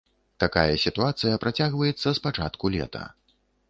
Такая сітуацыя працягваецца з пачатку лета.